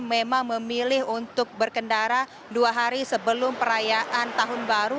memang memilih untuk berkendara dua hari sebelum perayaan tahun baru